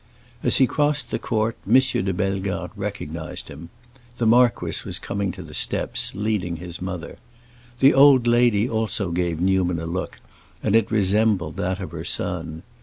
As he crossed the court M. de Bellegarde recognized him; the marquis was coming to the steps, leading his mother. The old lady also gave Newman a look, and it resembled that of her son.